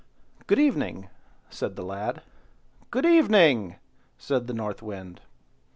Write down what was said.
"Good evening!" said the lad. "Good evening!" said the North Wind.